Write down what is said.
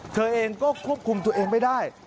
เธอเองก็ควบคุมตัวเองไม่ได้